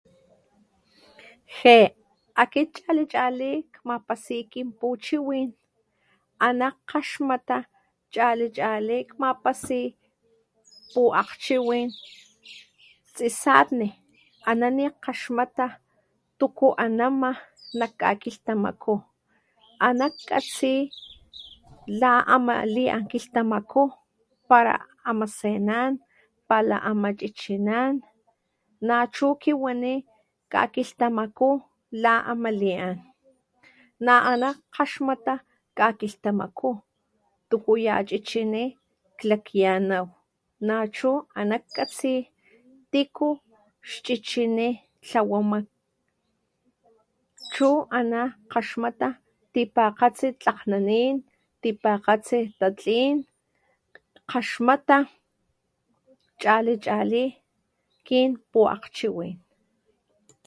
Jé akit chalí chalí kamapasí kinpuchiwin aná kgaxmata chalí chalí kamapasí puaxkchiwi tsisatni ana ni akgaxmata tuku anama nak kakilhtamakú anak katsí la ama liakilhtamakú para amá senán pala ama chichinán nachu kiwaní ka kilhtamakú la amaliyan na aná kgaxmata ka kilhtamakú tuku ya chichiní tla kiyanaw nachú aná katsí tiku xchichiní lhawamán chu aná kgaxmata tipakgatsi tlak nanín tipakgatsi tatlín kgaxmata chalí chalí kinpuakgchiwin.